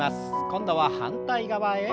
今度は反対側へ。